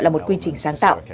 là một quy trình sáng tạo